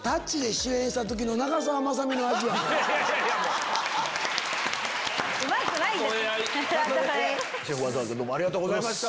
シェフわざわざどうもありがとうございました。